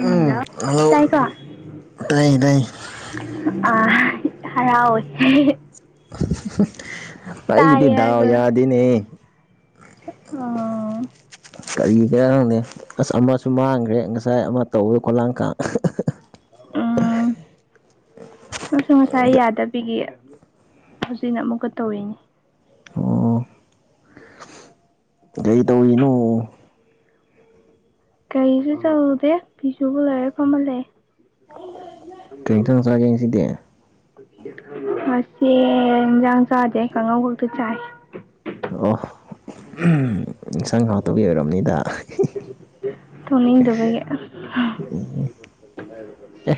ꯎꯝ ꯇꯥꯏ ꯀꯣ ꯇꯥꯏ ꯇꯥꯏ ꯑ ꯍꯔꯥꯎꯋꯦ ꯑꯩꯒꯤꯗꯤ ꯇꯥꯏꯌꯦ ꯗꯥꯎ ꯌꯥꯗꯦꯅꯦ ꯑꯥ ꯀꯔꯤꯒꯤꯔꯥ ꯈꯪꯗꯦ ꯑꯁ ꯑꯃꯁꯨ ꯃꯥꯡꯈ꯭ꯔꯦ ꯉꯁꯥꯏ ꯑꯃ ꯇꯧꯏ ꯈꯣꯂꯥꯡꯈꯥꯡ ꯑꯥ ꯑꯩꯁꯨ ꯉꯁꯥꯏ ꯌꯥꯗꯕꯤꯒꯤ ꯍꯧꯖꯤꯛꯅ ꯑꯃꯨꯛꯀ ꯇꯧꯔꯤꯅꯤ ꯑꯣ ꯀꯩꯗꯧꯔꯤꯅꯣ ꯀꯔꯤꯁꯨ ꯇꯧꯗꯦ ꯐꯤꯁꯨꯕ ꯂꯣꯏꯔ ꯐꯝꯃ ꯂꯩ ꯀꯔꯤ ꯑꯦꯟꯁꯥꯡ ꯆꯥꯒꯦ ꯉꯁꯤꯗꯤ ꯉꯁꯤ ꯏꯟꯁꯥꯡ ꯆꯥꯗꯦ ꯀꯥꯡꯉꯧ ꯈꯛꯇ ꯆꯥꯏ ꯑꯣ ꯏꯟꯁꯥꯡ ꯍꯥꯎꯇꯕꯒꯤ ꯑꯣꯏꯔꯝꯅꯤꯗ ꯊꯣꯡꯅꯤꯡꯗꯕꯒꯤ ꯑꯦ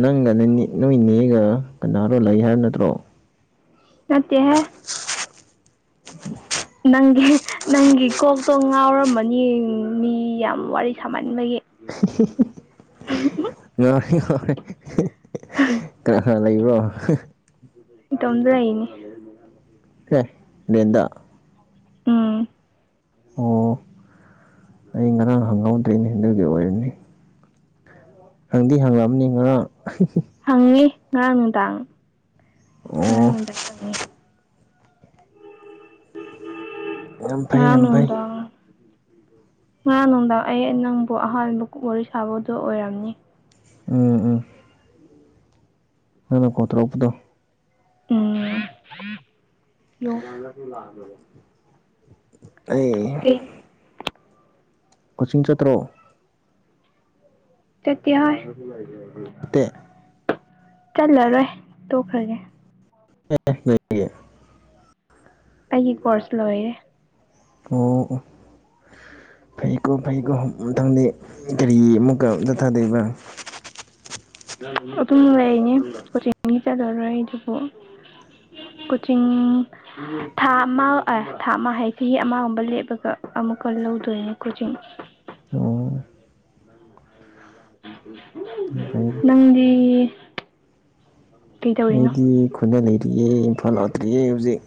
ꯅꯪꯒ ꯅꯅꯦ ꯅꯣꯏꯅꯦꯒ ꯀꯅꯥꯔꯣ ꯂꯩ ꯍꯥꯏꯕ ꯅꯠꯇ꯭ꯔꯣ ꯇꯠꯇꯦꯍꯦ ꯅꯪꯒꯤ ꯅꯪꯒꯤ ꯀꯣꯛꯇꯣ ꯉꯥꯎꯔꯝꯃꯅꯤꯌꯦ ꯃꯤ ꯌꯥꯝ ꯋꯥꯔꯤ ꯁꯥꯃꯟꯕꯒꯤ ꯉꯥꯎꯔꯦ ꯉꯥꯎꯔꯦ 'uintelligible' ꯀꯅꯥ ꯀꯅꯥ ꯂꯩꯕ꯭ꯔꯣ ꯏꯇꯣꯝꯗ ꯂꯩꯔꯤꯅꯤ ꯂꯦꯟꯗ ꯎꯝ ꯑꯣ ꯑꯩ ꯉꯔꯥꯡ ꯍꯪꯍꯧꯗ꯭ꯔꯦꯅꯦ ꯑꯗꯨꯗꯤ ꯑꯣꯏꯔꯅꯤ ꯍꯪꯗꯤ ꯍꯪꯂꯝꯅꯤ ꯉꯔꯥꯡ ꯍꯪꯉꯤ ꯉꯔꯥꯡ ꯅꯨꯗꯥꯡ ꯉꯔꯥꯡ ꯑꯣ ꯅꯨꯗꯥꯡ ꯍꯪꯉꯤ ꯌꯥꯝ ꯐꯩ ꯉꯔꯥꯡ ꯌꯥꯝ ꯐꯩ ꯅꯨꯡꯗꯥꯡ ꯉꯔꯥꯡ ꯅꯨꯡꯗꯥꯡ ꯑꯩ ꯅꯪꯕꯨ ꯑꯍꯥꯟꯕ ꯋꯥꯔꯤ ꯁꯥꯕꯗꯨ ꯑꯣꯏꯔꯝꯅꯤ ꯎꯝ ꯎꯝ ꯅꯪꯅ ꯀꯣꯜ ꯇꯔꯨꯛꯄꯇꯣ ꯎꯝ ꯑꯩ ꯀꯩ ꯀꯣꯆꯤꯡ ꯆꯠꯇ꯭ꯔꯣ ꯆꯠꯇꯦꯍꯥꯏ ꯇꯦ ꯆꯠꯂꯔꯣꯏ ꯇꯣꯛꯈ꯭ꯔꯒꯦ ꯑꯦ ꯀꯔꯤꯒꯤ ꯑꯩꯒꯤ ꯀꯣꯔꯁ ꯂꯣꯏꯔꯦ ꯑꯣ ꯐꯩ ꯀꯣ ꯐꯩꯀꯣ ꯃꯊꯪꯗꯤ ꯀꯔꯤ ꯑꯃꯨꯛꯀ ꯆꯠꯊꯗꯣꯏꯕ ꯑꯗꯨꯝ ꯂꯩꯅꯤ ꯀꯣꯆꯤꯡꯗꯤ ꯆꯠꯂꯔꯣꯏ ꯑꯗꯨꯕꯨ ꯀꯣꯆꯤꯡ ꯊꯥ ꯑꯃ ꯊꯥ ꯑꯃ ꯍꯥꯏ ꯆꯍꯤ ꯑꯃꯒꯨꯝꯕ ꯂꯦꯞꯄꯒ ꯑꯃꯨꯛꯀ ꯂꯧꯗꯣꯏꯅꯦ ꯀꯣꯆꯤꯡ ꯑꯣ ꯐꯩꯗ ꯅꯪꯗꯤ ꯀꯩꯗꯧꯔꯤꯅꯣ ꯑꯩꯗꯤ ꯑꯗ ꯂꯩꯇ꯭ꯔꯤꯌꯦ ꯏꯝꯐꯥꯜ ꯂꯥꯛꯇ꯭ꯔꯤꯌꯦ ꯍꯧꯖꯤꯛ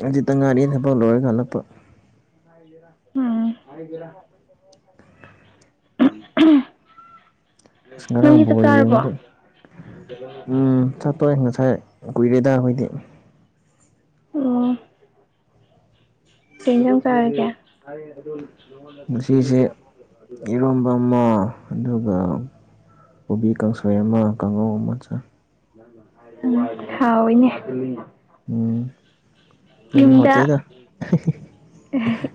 ꯍꯧꯖꯤꯛ ꯇꯪ ꯉꯥꯏꯔꯤ ꯊꯕꯛ ꯂꯣꯏꯔꯒ ꯍꯂꯛꯄ ꯎꯝ [unintelligible] ꯑꯁ ꯅꯪꯗꯤ ꯉꯔꯥꯡꯕ ꯆꯥꯛ ꯕꯣꯜ ꯆꯥꯔꯕꯣ ꯌꯦꯡꯕꯗꯣ ꯎꯝ ꯆꯠ ꯇꯣꯏ ꯉꯁꯥꯏ ꯀꯨꯏꯔꯦꯗ ꯑꯩꯈꯣꯏꯗꯤ ꯎꯝ ꯀꯩꯖꯥꯡ ꯆꯥꯔꯒꯦ ꯉꯁꯤꯁꯦ ꯏꯔꯣꯝꯕ ꯑꯃ ꯑꯗꯨꯒ ꯀꯣꯕꯤ ꯀꯥꯡꯁꯣꯏ ꯑꯃ ꯀꯥꯡꯉꯧ ꯑꯃ ꯆꯥꯏ ꯎꯝ ꯍꯥꯎ ꯏꯅꯦ ꯎꯝ ꯌꯥꯝ ꯌꯨꯝꯗ ꯍꯥꯎꯇꯦꯗ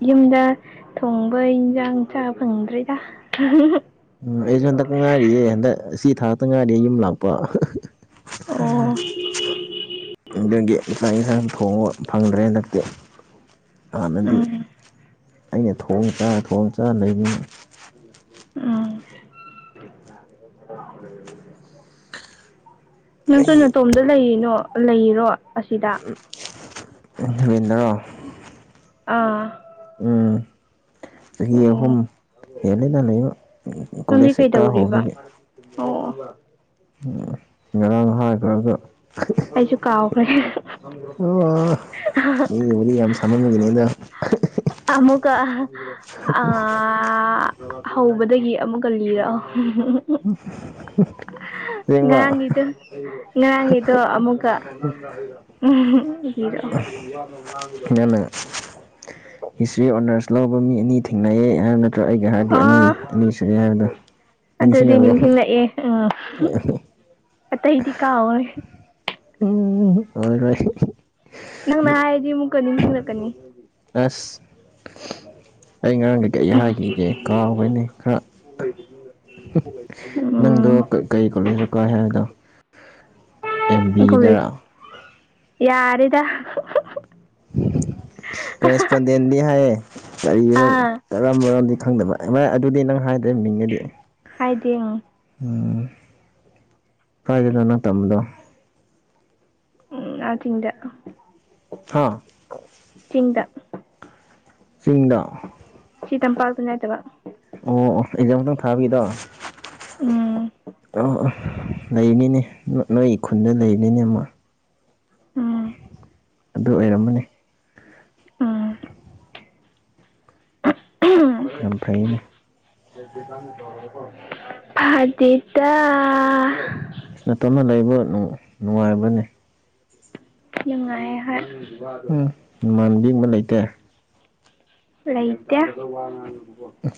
ꯌꯨꯝꯗ ꯊꯣꯡꯕ ꯏꯟꯁꯥꯡ ꯆꯥ ꯐꯪꯗ꯭ꯔꯦꯗ ꯎꯝ ꯑꯩꯁꯨ ꯍꯟꯗꯛ ꯉꯥꯏꯔꯤꯌꯦ ꯍꯟꯗꯛ ꯁꯤ ꯊꯥꯛꯇ ꯉꯥꯏꯔꯤꯌꯦ ꯌꯨꯝ ꯂꯥꯛꯄ ꯑꯣ [unintelligible] ꯑꯗꯨꯒꯤ ꯆꯥꯛ ꯌꯦꯟꯁꯥꯡ ꯊꯣꯡꯕ ꯐꯪꯗ꯭ꯔꯦ ꯍꯟꯗꯛꯇꯤ ꯍꯥꯟꯅꯗꯤ ꯎꯝ ꯑꯩꯅ ꯊꯣꯡ ꯆꯥ ꯊꯣꯡ ꯆꯥ ꯂꯩꯕꯅꯦ ꯎꯝ [unintelligible] ꯅꯪꯁꯨꯨ ꯑꯩ ꯅꯇꯣꯝꯗ ꯂꯩꯔꯤꯅꯣ ꯂꯩꯔꯤꯔꯣ ꯑꯁꯤꯗ ꯀꯩꯗꯧꯏꯅꯣ ꯑꯥ ꯎꯝ ꯆꯍꯤ ꯑꯣ ꯑꯍꯨꯝ ꯍꯦꯜꯂꯦꯗ ꯂꯩꯕ ꯅꯪꯗꯤ ꯀꯣꯂꯦꯖ ꯍꯦꯛ ꯀꯥ ꯀꯩꯗꯧꯔꯤꯕ ꯍꯧꯕꯗꯒꯤ ꯑꯣ ꯉꯔꯥꯡ ꯍꯥꯏꯈ꯭ꯔꯒ ꯑꯩꯩꯁꯨ ꯀꯥꯎꯈ꯭ꯔꯦ ꯑꯣ ꯃꯤꯗꯨꯕꯨꯗꯤ ꯌꯥꯝ ꯁꯥꯃꯟꯕꯒꯤꯅꯤ ꯑꯗ ꯑꯃꯨꯛꯀ ꯑ ꯑꯥ ꯍꯧꯕꯗꯒꯤ ꯑꯃꯨꯛꯀ ꯂꯤꯔꯣꯑꯣ [unintelligible] ꯑꯁꯦꯡꯕ ꯉꯥꯡꯉꯤꯗꯣ ꯉꯥꯡꯉꯤꯗꯣ ꯑꯃꯨꯛꯀ ꯂꯤꯔꯛꯑꯣ ꯅꯪꯅ ꯍꯤꯁꯇ꯭ꯔꯤ ꯑꯣꯅ꯭ꯔꯁ ꯂꯧꯕ ꯃꯤ ꯑꯅꯤ ꯊꯦꯡꯅꯩꯌꯦ ꯌꯥꯝꯅ ꯑꯥ ꯑꯗꯨꯗꯤ ꯅꯤꯡꯁꯤꯡꯉꯕꯣ ꯅꯤꯡꯁꯤꯡꯂꯛꯑꯦ ꯎ ꯎꯝ ꯀꯥꯎꯈ꯭ꯔꯦ ꯑꯣꯏ ꯍꯣꯏ ꯅꯪꯅ ꯍꯥꯏꯔꯗꯤ ꯑꯃꯨꯛꯀ ꯅꯤꯡ ꯁꯤꯡꯂꯛꯀꯅꯤ ꯑꯁ ꯑꯩ ꯉꯔꯥꯡꯗ ꯀꯔꯤ ꯍꯥꯏꯈꯤꯒꯦ ꯀꯥꯎꯒ꯭ꯔꯅꯦ ꯈꯔ ꯅꯪꯗꯣ ꯎꯝ ꯀꯩ ꯀꯣꯂꯦꯁꯅꯣ ꯀꯥꯏ ꯍꯥꯏꯕꯗꯣ ꯑꯦꯝ ꯕꯤꯗ ꯀꯣꯂꯦꯖ ꯌꯥꯔꯦꯗ ꯀꯔꯦꯁꯄꯣꯟꯗꯦꯟꯗꯤ ꯍꯥꯏꯌꯦ ꯀꯔꯤꯔ ꯑꯥ ꯀꯔꯝꯕꯅꯣꯗꯤ ꯈꯪꯗꯕ ꯚꯥꯏ ꯑꯗꯨꯗꯤ ꯅꯪ ꯍꯥꯏꯗ꯭ꯔꯦ ꯃꯤꯡꯉꯗꯤ ꯍꯥꯏꯗꯤꯡ ꯎꯝ ꯀꯥꯏꯗꯅꯣ ꯅꯪ ꯇꯝꯕꯗꯣ ꯎꯝ ꯅꯥꯊꯤꯟꯗꯀꯣ ꯍꯥ ꯆꯤꯡꯗ ꯆꯤꯡꯗ ꯁꯤ ꯇꯝꯄꯥꯛꯇꯥ ꯅꯠꯇꯕ ꯑꯣ ꯑꯣ ꯑꯦꯛꯖꯥꯝꯇꯪ ꯊꯥꯕꯤꯗꯣ ꯎꯝ ꯑꯣ ꯅꯩꯅꯤꯅꯦ ꯅꯣꯏ ꯅꯣꯏ ꯈꯨꯟꯗ ꯅꯩꯅꯤꯅꯦ ꯃꯣꯏ ꯎꯝ ꯑꯗꯨ ꯑꯣꯏꯔꯝꯃꯅꯤ ꯎꯝ ꯌꯥꯝ ꯐꯩꯅꯦ ꯎ ꯐꯖꯤꯇꯥ ꯇꯁꯅ ꯇꯞꯅ ꯂꯩꯕ ꯅꯨꯡꯉꯥꯏꯕꯅꯤ ꯂꯅꯨꯡꯉꯥꯏ ꯍ ꯎꯝ ꯏꯃꯥꯟꯕꯤꯕ ꯂꯩꯇꯦ ꯂ꯭ꯂꯩꯇ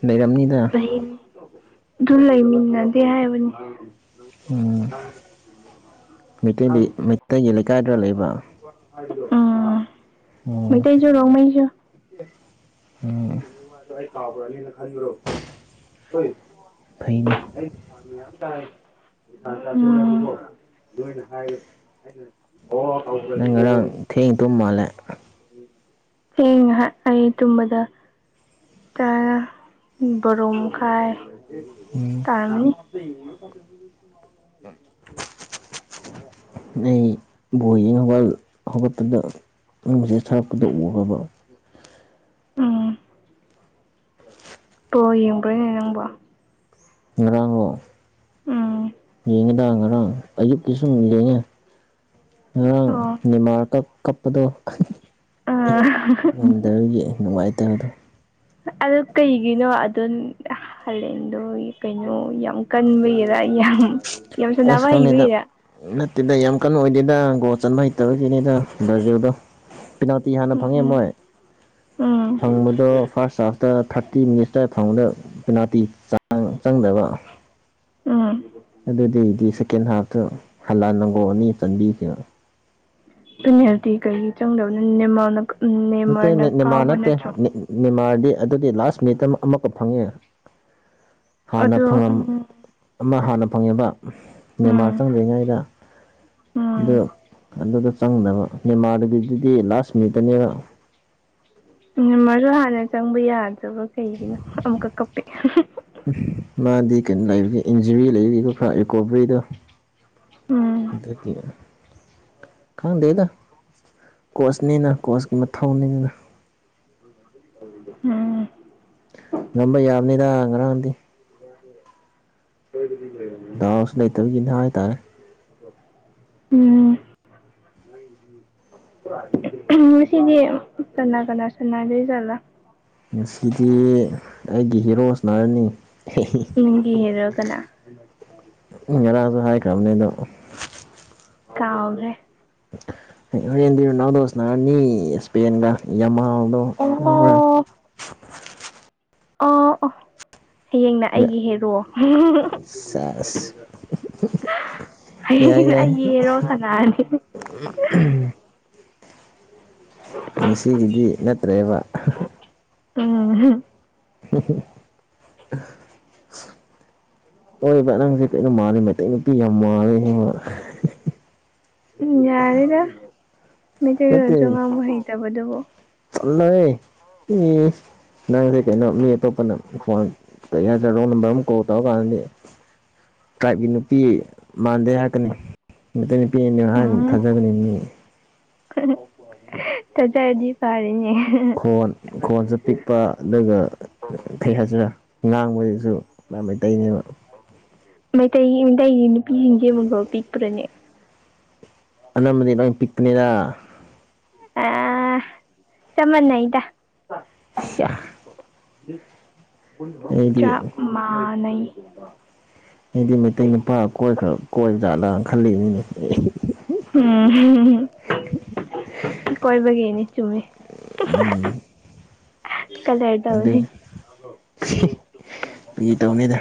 ꯂꯩꯔꯝꯅꯤꯗꯅ ꯅꯤ ꯑꯗꯨ ꯂꯩꯃꯤꯟꯅꯗꯦ ꯍꯥꯏꯕꯅꯤ ꯎ ꯃꯩꯇꯩ ꯃꯩꯇꯩꯒꯤ ꯂꯩꯀꯥꯏꯗꯨꯗ ꯂꯩꯕ ꯎꯝ ꯑꯣ ꯃꯩꯇꯩꯁꯨ ꯔꯣꯡꯃꯩꯁꯨ ꯎꯝ ꯑꯗꯨꯒꯨꯝꯕꯉꯗꯣ ꯑꯩ ꯀꯥꯕ꯭ꯔꯅꯤꯅ ꯈꯟꯕ꯭ꯔꯣ ꯍꯣꯏ ꯐꯩꯅꯦ ꯑꯩꯁꯥꯃꯤ ꯌꯥꯝ ꯇꯥꯏ ꯂꯣꯏꯅ ꯍꯥꯏꯔ ꯑꯩꯅ ꯑꯣ ꯅꯪ ꯉꯔꯥꯡ ꯊꯦꯡ ꯇꯨꯝ ꯃꯥꯜꯂꯦ ꯍ ꯑꯩ ꯇꯨꯝꯕꯗ ꯇꯥ ꯔꯨꯝꯈꯥꯏ ꯎꯝ ꯇ ꯎꯝ ꯑꯩ ꯕꯣꯏꯒꯤꯅꯧꯕꯥꯜ ꯍꯧꯒꯠꯄꯗꯁꯦ ꯊꯔꯛꯄꯗ ꯎꯕ ꯎꯝ ꯑꯣꯣ ꯌꯦꯡꯗꯣꯏꯅꯦ ꯅꯪꯕꯣ ꯉꯔꯥꯡꯂꯣ ꯎꯝ ꯌꯦꯡꯉꯦꯗ ꯉꯔꯥꯡ ꯑꯌꯨꯛꯀꯤ ꯁꯨꯝ ꯌꯦꯡꯉꯦ ꯑ ꯑꯣ ꯅꯤꯃꯥꯔ ꯀꯞ ꯀꯞꯄꯗꯣ ꯑꯥ ꯎ ꯅꯒꯤ ꯅꯨꯡꯉꯥꯏꯇꯕꯗꯣ ꯑꯗꯨ ꯀꯩꯒꯤꯅꯣ ꯑꯗꯨ ꯍꯂꯦꯟꯗꯣ ꯀꯩꯅꯣ ꯌꯥꯝ ꯀꯟꯕꯒꯤꯔ ꯑꯩ ꯌꯥꯝ ꯌꯥꯝ ꯁꯥꯟꯅꯕ ꯑꯦꯁꯀꯥꯎꯅꯤꯗ ꯍꯩꯕꯒꯤꯔ ꯅꯠꯇꯦꯗ ꯌꯥꯝ ꯀꯟꯅ ꯑꯣꯏꯗꯦꯗ ꯒꯣꯜ ꯆꯟꯕ ꯍꯩꯇꯕꯒꯤꯅꯤꯗ ꯖꯨꯗꯣ ꯄꯦꯅꯥꯜꯇꯤ ꯍꯥꯟꯅ ꯐꯪꯉꯦ ꯎꯝ ꯃꯣꯏ ꯎꯝ ꯎꯝ ꯐꯪꯕꯗꯣ ꯐꯥꯔꯁ ꯍꯥꯥꯐ ꯇ ꯊꯥꯔꯇꯤ ꯃꯤꯅꯤꯠꯁꯇ꯭ꯋꯥꯏ ꯐꯥꯎꯕꯗ ꯄꯦꯅꯥꯜꯇꯤ ꯆꯪꯗꯕ ꯎꯝ ꯗꯤ ꯁꯦꯀꯦꯟ ꯍꯥꯐꯇꯣ ꯍꯜꯂꯟꯪꯒꯧꯑꯅꯤ ꯆꯟꯕꯤꯈꯤꯕ ꯅꯦꯗꯤ ꯀꯩꯒꯤ ꯆꯪꯗꯕꯅ ꯅꯦꯃꯜꯅ ꯅꯠꯇꯦ ꯅꯅꯤꯃꯥꯔ ꯅꯠꯇꯦ ꯅꯅꯤꯃꯥꯔꯗꯤ ꯑꯗꯨꯗꯤ ꯂꯥꯁ ꯃꯤꯅꯤꯠꯇ ꯑꯃ ꯑꯃꯨꯛꯀ ꯐꯪꯉꯦ ꯍꯥꯟꯅ ꯑꯗꯣ ꯐꯪꯉꯝ ꯎꯝ ꯑꯃ ꯍꯥꯟꯅ ꯐꯪꯉꯤꯕ ꯎꯝ ꯃꯦꯟꯃꯥꯔ ꯆꯪꯗ꯭ꯔꯤꯉꯩꯗ ꯎꯝ ꯑꯗꯨ ꯑꯗꯨꯗ ꯆꯪꯗꯕ ꯃꯦꯦꯟꯃꯥꯔꯗꯒꯤꯗꯨꯗꯤ ꯂꯥꯁ ꯃꯤꯠꯇꯅꯦꯕ ꯎꯝ ꯃꯔꯨ ꯍꯥꯟꯅ ꯆꯪꯕ ꯌꯥꯗ꯭ꯔꯕ ꯀꯩꯒꯤꯅꯣ ꯑꯃꯨꯛꯀꯛ ꯀꯞꯄ ꯎ ꯃꯥꯗꯤ ꯀꯩꯅꯣ ꯂꯩꯔꯤꯒꯦ ꯏꯟꯖꯨꯔꯤ ꯂꯩꯔꯤꯀꯣ ꯈꯔ ꯔꯤꯀꯣꯕꯔꯤꯗꯣ ꯎꯝ ꯑ ꯀ ꯀꯪꯗꯗ ꯀꯣꯁꯅꯤꯅ ꯀꯣꯁꯀꯤ ꯃꯊꯧꯅꯤꯅ ꯎꯝ ꯅꯝꯕ ꯌꯥꯕꯅꯤꯗ ꯉꯔꯥꯡꯗꯤ [unintelligible] ꯗꯥꯎꯁꯨ ꯂꯩꯇꯕꯒꯤꯅꯤ ꯍꯥꯏꯇꯥꯔꯦ ꯎꯝ ꯉꯁꯤꯗꯤ ꯀꯅꯥ ꯀꯅꯥ ꯁꯅꯥꯗꯣꯏ ꯖꯥꯠꯂ ꯉꯁꯤꯗꯤ ꯑꯩꯒꯤ ꯍꯤꯔꯣ ꯁꯅꯔꯅꯤ ꯅꯪꯒꯤ ꯍꯤꯔꯣ ꯀꯅ ꯑꯩ ꯉꯔꯥꯡꯁꯨ ꯍꯥꯏꯈ꯭ꯔꯕꯅꯦ ꯑꯗꯣ ꯀꯥꯎꯒꯔꯦ ꯍꯣꯔꯦꯟꯗꯤ ꯔꯣꯅꯥꯟꯗꯣ ꯁꯅꯔꯅꯤ ꯏꯁꯄꯦꯟꯒ ꯌꯃꯥꯜꯗꯣ ꯑꯣ ꯑꯣ ꯑꯣ ꯍꯌꯦꯡꯅ ꯑꯩꯒꯤ ꯍꯦꯔꯣ ꯁꯦꯁ ꯌꯥꯏ ꯍꯌꯦꯡꯅ ꯌꯥꯏ ꯑꯩꯒꯤ ꯍꯦꯔꯣ ꯁꯥꯟꯅꯔꯅꯤ [unintelligible] ꯉꯁꯤꯒꯤꯗꯤ ꯅꯠꯇ꯭ꯔꯦꯕ ꯎꯝꯍꯝ [unintelligible] ꯑꯑꯣꯏꯕ ꯅꯩꯁꯦ ꯀꯩꯅꯣ ꯃꯥꯜꯂꯦ ꯃꯩꯇꯩ ꯅꯨꯄꯤ ꯌꯥꯝ ꯃꯥꯜꯂꯦ ꯎꯝ ꯌꯥꯔꯦꯗ ꯃꯩꯇꯩ ꯅꯠꯇꯦ ꯂꯣꯜꯁꯨ ꯉꯥꯡꯕ ꯍꯩꯇꯕꯗꯨꯕꯨ ꯆꯜꯂꯣꯍꯦ ꯎꯝ ꯅꯪꯖꯦ ꯀꯩꯅꯣ ꯃꯤ ꯑꯇꯣꯞꯄꯅ ꯐꯣꯟ ꯀꯔꯤ ꯍꯥꯏꯁꯦꯔ ꯔꯣꯜ ꯅꯝꯕꯔ ꯑꯃꯨꯛ ꯀꯣꯜ ꯇꯧꯔꯀꯥꯟꯗꯗꯤ ꯇ꯭ꯔꯥꯏꯞꯀꯤ ꯅꯨꯄꯤ ꯃꯥꯟꯗꯦ ꯍꯥꯏꯔꯛꯀꯅꯤ ꯃꯇꯩ ꯅꯨꯄꯤꯅꯦ ꯍꯥꯏꯅ ꯊꯥꯖꯒꯅꯤ ꯃꯤ ꯊꯖꯔꯗꯤ ꯐꯔꯦꯅꯦ ꯈꯣꯟ ꯈꯣꯟꯁꯨ ꯄꯤꯛꯄ ꯑꯗꯨꯒ ꯀꯩ ꯍꯥꯏꯁꯤꯔ ꯉꯥꯡꯕꯗꯖꯨ ꯌꯥꯝ ꯃꯩꯇꯩꯅꯦꯕ ꯃꯩꯇꯩ ꯃꯩꯇꯩꯒꯤ ꯅꯨꯄꯤꯁꯤꯡꯁꯦ ꯃꯈꯣꯜ ꯄꯤꯛꯄꯔꯥꯅꯦ ꯑꯅꯝꯕꯗꯤ ꯂꯣꯏ ꯄꯤꯛꯄꯅꯦꯗ ꯑꯥ ꯑꯥ ꯆꯞ ꯃꯅꯩꯗ ꯑꯩꯗꯤ ꯆꯞ ꯃꯥꯅꯩ ꯑꯩꯗꯤ ꯃꯩꯇꯩ ꯅꯨꯄꯥ ꯀꯣꯏꯈ꯭ꯔ ꯀꯣꯏꯕ ꯖꯥꯠꯂꯥꯅ ꯈꯜꯂꯤ ꯅꯤꯅꯦ ꯎꯝ ꯀꯣꯏꯕꯒꯤꯅꯤ ꯆꯨꯝꯃꯤ ꯎꯝ ꯀꯥꯗꯔ ꯇꯧꯕꯅꯤ ꯐꯥꯒꯤ ꯇꯧꯅꯤꯗ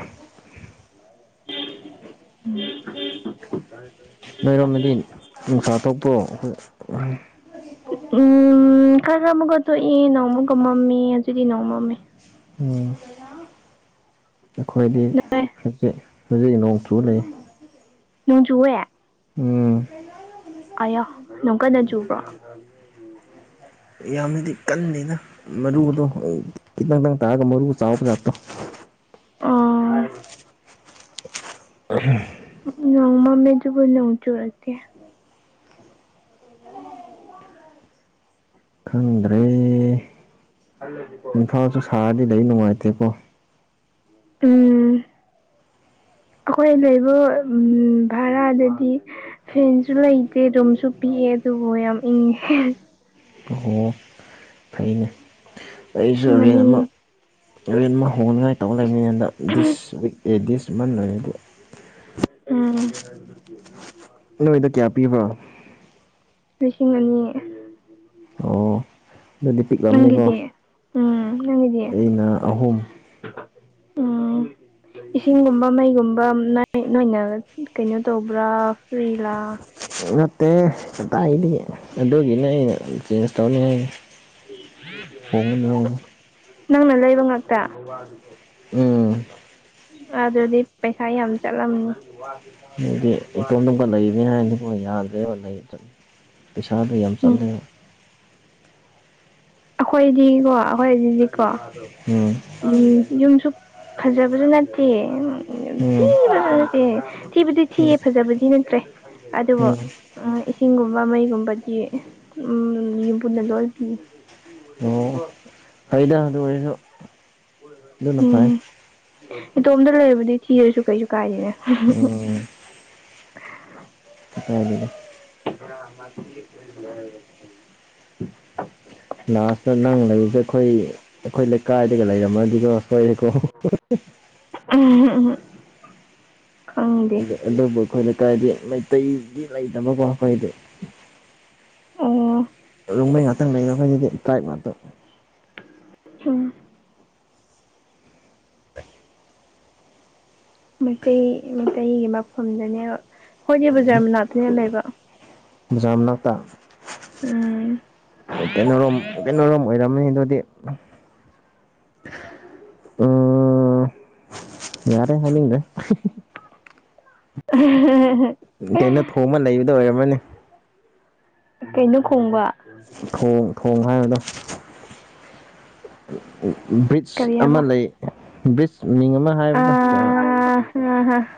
[unintelligible] ꯅꯣꯏ ꯔꯣꯝꯗꯗꯤ ꯅꯨꯡꯁꯥ ꯊꯣꯛꯄꯔꯣ ꯎꯝ ꯈꯔ ꯈꯔ ꯃꯨꯛꯀ ꯇꯣꯛꯏ ꯅꯣꯡ ꯃꯨꯛꯀ ꯃꯝꯃꯤ ꯑꯗꯨꯒꯤ ꯅꯣꯡ ꯃꯝꯃꯦ ꯎꯝ ꯑꯈꯣꯏꯗꯤ ꯅꯣꯏ ꯍꯖꯤꯛ ꯍꯧꯖꯤꯛ ꯅꯣꯡ ꯆꯨꯔ ꯂꯩꯔꯤ ꯅꯣꯡ ꯆꯨꯋꯦ ꯎꯝ ꯑꯌꯥ ꯅꯣꯡ ꯀꯟꯅ ꯆꯨꯕ꯭ꯔꯣ ꯌꯥꯝꯅꯗꯤ ꯀꯟꯗꯦꯗ ꯃꯔꯨꯗꯣ ꯈꯤꯇꯪ ꯗꯪ ꯇꯥꯔꯒ ꯃꯔꯨ ꯆꯥꯎꯕ ꯖꯠꯇꯣ ꯑꯣ ꯑꯍꯨꯝ ꯑꯈꯣꯏꯗꯤ ꯅꯣꯡ ꯃꯝꯃꯦ ꯗꯨꯕꯨ ꯅꯣꯡ ꯆꯨꯔꯛꯇꯦ ꯈꯪꯗ꯭ꯔꯦ ꯏꯝꯐꯥꯜꯁꯨ ꯁꯥꯔꯗꯤ ꯂꯩ ꯅꯨꯡꯉꯥꯏꯇꯦ ꯀꯣ ꯎꯝ ꯑꯈꯣꯏ ꯂꯩꯕ ꯚꯥꯔꯥꯗꯗꯤ ꯐꯦꯟꯁꯨ ꯂꯩꯇꯦ ꯔꯨꯝꯁꯨ ꯄꯤꯛꯑꯦ ꯑꯗꯨꯕꯨ ꯌꯥꯝ ꯏꯪꯉꯦ ꯑꯣ ꯐꯩꯅꯦ ꯑꯩꯁꯨ ꯔꯦꯟ ꯑꯃꯥ ꯃꯅꯤꯡ ꯔꯦꯟ ꯑꯃꯥ ꯍꯣꯡꯅꯤꯉꯥꯏ ꯇꯧ ꯂꯩꯔꯤꯅꯦ ꯗꯤꯁ ꯋꯤꯛ ꯑꯦ ꯗꯤꯁ ꯃꯟ ꯂꯣꯏꯔꯗꯤ ꯎꯝ ꯅꯣꯏꯗ ꯀꯌꯥ ꯄꯤꯕꯔꯣ ꯂꯤꯁꯤꯡ ꯑꯅꯤ ꯑꯣ ꯑꯗꯨꯗꯤ ꯄꯤꯛꯂꯝꯅꯤꯀꯣ ꯅꯪꯒꯤꯗꯤ ꯎꯝ ꯅꯪꯒꯤꯗꯤ ꯑꯩꯅ ꯑꯍꯨꯝ ꯎꯝ ꯏꯁꯤꯡꯒꯨꯝꯕ ꯃꯩꯒꯨꯝꯕ ꯅꯣꯏꯅ ꯀꯩꯅꯣ ꯇꯧꯕ꯭ꯔꯥ ꯐ꯭ꯔꯤꯂꯥ ꯅꯠꯇꯦ ꯀꯗꯥꯏꯗꯒꯤ ꯑꯗꯨꯒꯤꯅꯦ ꯑꯩꯅ ꯆꯦꯟꯖ ꯇꯧꯅꯤ ꯍꯥꯏ ꯍꯣꯡꯒꯅꯤ ꯍꯥꯏ [unintelligible] ꯅꯪꯅ ꯂꯩꯕ ꯉꯥꯛꯇ ꯎꯝ ꯑꯗꯨꯗꯤ ꯄꯩꯁꯥ ꯌꯥꯝ ꯆꯠꯂꯝꯅꯤ ꯍꯥꯏꯗꯤ ꯏꯇꯣꯝꯗꯨꯒ ꯂꯩꯔꯤꯅꯤ ꯍꯥꯏꯅꯗꯤꯀꯣ ꯌꯥꯗ꯭ꯔꯦꯕ ꯂꯩ ꯄꯦꯁꯥꯗꯨ ꯌꯥꯝ ꯆꯠꯂꯦ ꯎꯝ ꯑꯩꯈꯣꯏꯗꯤꯀꯣ ꯑꯩꯈꯣꯏꯖꯤꯗꯤꯀꯣ ꯎꯝ ꯌꯨꯝ ꯌꯨꯝꯁꯨ ꯐꯖꯕꯁꯨ ꯅꯠꯇꯦ ꯎꯝ [unintelligible] ꯊꯤꯕꯗꯤ ꯎꯝ ꯊꯤꯌꯦ ꯐꯖꯕꯗꯤ ꯅꯠꯇ꯭ꯔꯦ ꯑꯗꯨꯕꯨ ꯎꯝ ꯑꯏꯁꯤꯡꯒꯨꯝꯕ ꯃꯩꯒꯨꯝꯕꯗꯤ ꯌꯨꯝꯕꯅ ꯂꯣꯏ ꯄꯤ ꯑꯣ [unintelligible] ꯐꯩꯗ ꯑꯗꯨ ꯑꯣꯏꯔꯁꯨ ꯑꯗꯨꯅ ꯐꯩ ꯏꯇꯣꯝꯇ ꯂꯩꯔꯗꯤ ꯊꯤꯔꯁꯨ ꯀꯩꯁꯨ ꯀꯥꯏꯗꯦꯅꯦ [unintelligible] ꯎꯝ ꯀꯥꯏꯗꯦꯗ [unintelligible] ꯂꯥꯁꯇ ꯅꯪ ꯂꯩꯔꯤꯁꯦ ꯑꯩꯈꯣꯏ ꯑꯩꯈꯣꯏ ꯂꯩꯀꯥꯏꯗꯒ ꯂꯩꯔꯝꯃꯗꯤꯀꯣ ꯁꯣꯏꯔꯦꯀꯣ [unintelligible] ꯈꯪꯗꯦ ꯑꯗꯨꯕꯨ ꯑꯩꯈꯣꯏ ꯂꯩꯀꯥꯏꯗꯤ ꯃꯩꯇꯩꯗꯤ ꯂꯩꯇꯕꯀꯣ ꯑꯩꯈꯣꯏꯗꯤ ꯑꯣ ꯔꯣꯝꯃꯩ ꯉꯥꯛꯇꯪ ꯂꯩꯕ ꯑꯩꯈꯣꯏꯒꯤꯗꯤ ꯇ꯭ꯔꯥꯏꯕ ꯉꯥꯛꯇ [unintelligible] ꯃꯩꯇꯩ ꯃꯩꯇꯩꯒꯤ ꯃꯐꯝꯗꯅꯦꯕ ꯑꯩꯏꯅꯦ ꯕꯖꯥꯔ ꯃꯅꯥꯛꯇꯅꯦ ꯂꯩꯕ ꯕꯖꯥꯔ ꯃꯅꯥꯛꯇ ꯎꯝ ꯀꯩꯅꯣꯔꯣꯝ ꯀꯩꯅꯣꯔꯣꯝ ꯑꯣꯏꯔ [unintelligible] ꯗꯨꯗꯤ ꯎ ꯌꯥꯔꯦ ꯍꯥꯏꯅꯤꯡꯗ꯭ꯔꯦ [unintelligible] ꯀꯩꯅꯣ ꯊꯣꯡꯃ ꯂꯩꯕꯗꯣ ꯑꯣꯏꯔꯝꯃꯅꯤ ꯀꯩꯅꯣ ꯈꯣꯡꯕ ꯊꯣꯡ ꯊꯣꯡ ꯍꯥꯏꯕꯗꯣ ꯕ꯭ꯔꯤꯖ ꯀꯔꯤ ꯑꯃ ꯍꯥꯏꯕ ꯂꯩ ꯕ꯭ꯔꯤꯖ ꯃꯤꯡ ꯑꯃ ꯍꯥꯏꯕꯗꯣ ꯑ [unintelligible]